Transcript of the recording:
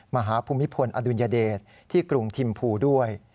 ภูมิพลอดุลยเดชที่กรุงทิมพูด้วย